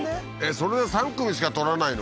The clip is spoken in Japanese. それで３組しか取らないの？